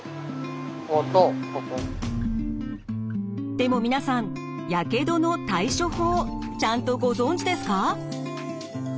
でも皆さんやけどの対処法ちゃんとご存じですか？